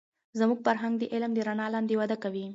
زموږ فرهنگ د علم د رڼا لاندې وده کوي.